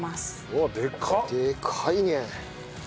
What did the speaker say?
でかいね！